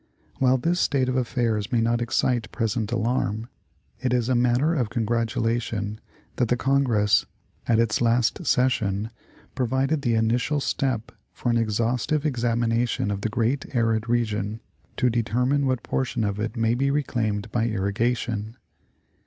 While this state of affairs may not excite present alarm, it is a matter of congratulation that the Congress at its last session provided the initial step for an exhaustive examination of the great arid region, to determine what portion of it may be reclaimed by irrigation.